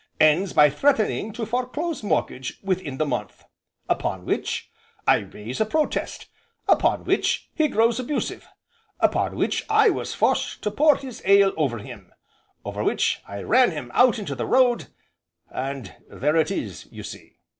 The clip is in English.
Ends by threatening to foreclose mortgage within the month. Upon which I raise a protest upon which he grows abusive, upon which I was forced to pour his ale over him, after which I ran him out into the road and there it is, you see."